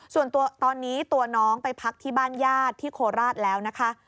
ส่วนตอนนี้ตัวน้องไปพักที่บ้านญาติที่โคราชแล้วนะคะ